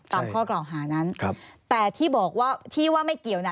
ตามข้อกล่องหานั้นแต่ที่บอกว่าที่ว่าไม่เกี่ยว